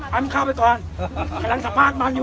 ะมึงเข้าไปก่อนปอดไป